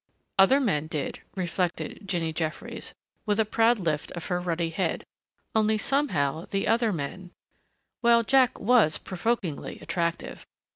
Other men did, reflected Jinny Jeffries with a proud lift of her ruddy head. Only somehow, the other men Well, Jack was provokingly attractive!